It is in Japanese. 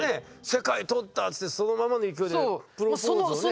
世界取った！ってそのままの勢いでプロポーズね。